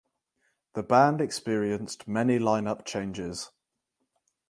The band experienced many lineup changes.